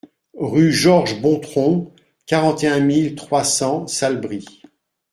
Rue Georges Bontront, quarante et un mille trois cents Salbris